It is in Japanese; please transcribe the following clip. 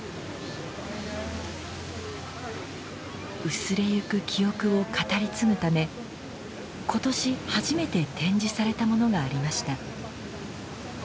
薄れゆく記憶を語り継ぐため今年初めて展示されたものがありました。